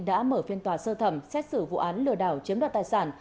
đã mở phiên tòa sơ thẩm xét xử vụ án lừa đảo chiếm đoạt tài sản